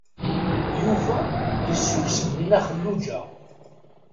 Yuba yessukkes-d Nna Xelluǧa.